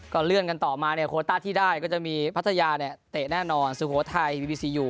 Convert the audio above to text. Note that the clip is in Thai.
เลื่อนกันต่อมาเนี่ยโคต้าที่ได้ก็จะมีพัทยาเนี่ยเตะแน่นอนสุโขทัยบีบีซียู